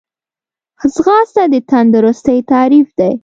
ځغاسته د تندرستۍ تعریف دی